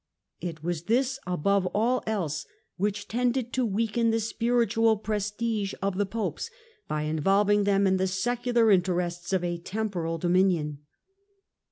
It was this, above all else, which tended to weaken the spiritual prestige of the Popes by involving them in the secular interests of a temporal dominion.